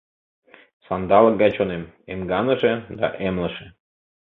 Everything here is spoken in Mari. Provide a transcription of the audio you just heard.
Сандалык гай чонем: эмганыше Да эмлыше.